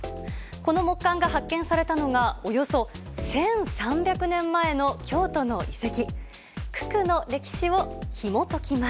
この木簡が発見されたのが、およそ１３００年前の京都の遺跡。